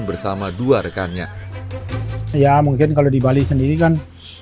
bersama dua rekannya ya mungkin kalau di bali sendiri kan